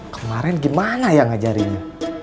kemarin gimana ya ngajarinya